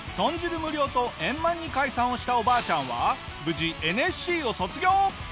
無料と円満に解散をしたおばあちゃんは無事ＮＳＣを卒業！